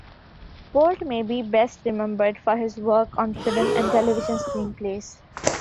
Bolt may be best remembered for his work on film and television screenplays.